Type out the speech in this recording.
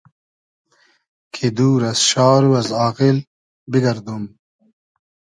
کی دور از شار و از آغیل بیگئردوم